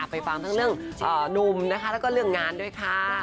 ไปฟังทั้งเรื่องหนุ่มนะคะแล้วก็เรื่องงานด้วยค่ะ